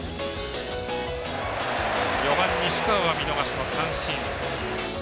４番、西川は見逃し三振。